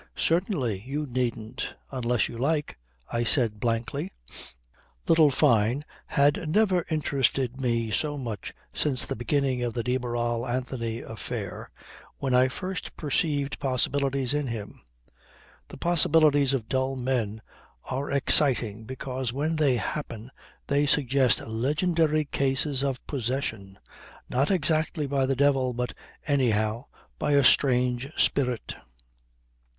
"Certainly. You needn't unless you like," I said blankly. Little Fyne had never interested me so much since the beginning of the de Barral Anthony affair when I first perceived possibilities in him. The possibilities of dull men are exciting because when they happen they suggest legendary cases of "possession," not exactly by the devil but, anyhow, by a strange spirit.